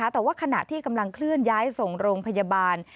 แต่ว่าขณะที่กำลังเคลื่อนย้ายส่งโรงพยาบาล